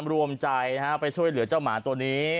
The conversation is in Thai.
รวมใจไปช่วยเหลือเจ้าหมาตัวนี้